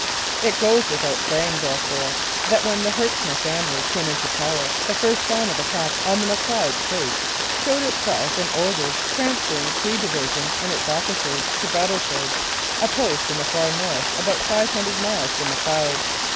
It goes without saying, therefore, that when the Herchmer family came into power the first sign of attack on "the Macleod clique " showed itself in orders transferring "C" Division and its officers to Battleford, a post in the far north about five hundred miles from Macleod.